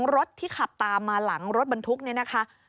รถที่ขับตามมาหลังรถบรรทุกนี่นะคะ